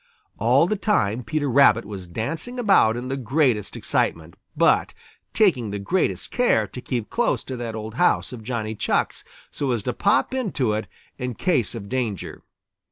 All the time Peter Rabbit was dancing about in the greatest excitement, but taking the greatest care to keep close to that old house of Johnny Chuck's so as to pop into it in case of danger.